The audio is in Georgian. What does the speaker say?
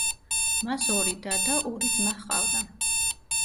მას ორი და და ორი ძმა ჰყავდა.